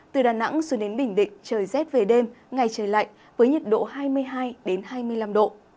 từ đà nẵng xuống đến bình định trời rét về đêm ngày trời lạnh với nhiệt độ hai mươi hai hai mươi năm độ